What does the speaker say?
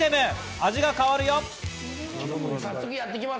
味が変わるよ。